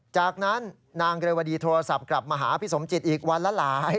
จากนั้นนางเรวดีโทรศัพท์กลับมาหาพี่สมจิตอีกวันละหลาย